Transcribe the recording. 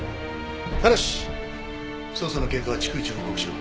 ただし捜査の経過は逐一報告しろ。